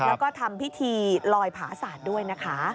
แล้วก็ทำพิธีลอยผาศาสตร์ด้วยนะคะ